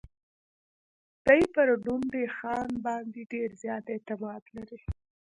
دی پر ډونډي خان باندي ډېر زیات اعتماد لري.